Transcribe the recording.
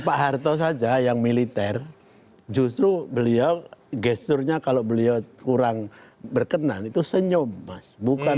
pak harto saja yang militer justru beliau gesturnya kalau beliau kurang berkenan itu senyum mas